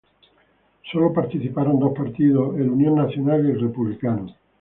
Solo participaron dos partidos, el Unión Nacional y el Republicano.